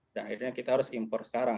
nah akhirnya kita harus impor sekarang